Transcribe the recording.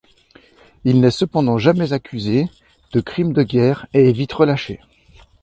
Il n'est cependant jamais accusé de crimes de guerre et est vite relâché.